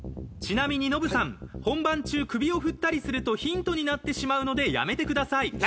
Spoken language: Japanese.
ちなみにノブさん本番中首を振ったりするとヒントになってしまうのでやめてください。